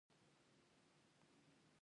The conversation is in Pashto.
مصنوعي ځیرکتیا د معلوماتي عدالت غوښتنه کوي.